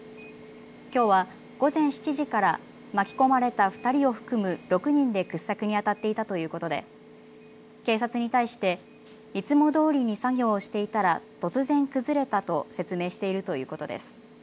きょうは午前７時から巻き込まれた２人を含む６人で掘削にあたっていたということで警察に対していつもどおりに作業をしていたら突然、崩れたと説明しているということです。